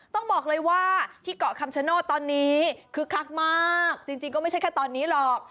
ต้องบอกเลยว่าที่เกาะคำชโนธตอนนี้คึกคักมากจริงก็ไม่ใช่แค่ตอนนี้หรอก